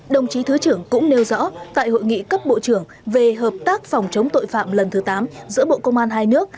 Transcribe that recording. đồng chí thứ trưởng cũng nêu rõ tại hội nghị cấp bộ trưởng về hợp tác phòng chống tội phạm lần thứ tám giữa bộ công an hai nước